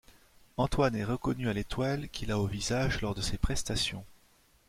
Antoine est reconnu à l'étoile qu'il a au visage lors de ses prestations.